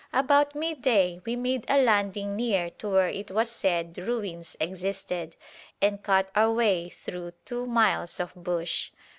About midday we made a landing near to where it was said ruins existed, and cut our way through two miles of bush.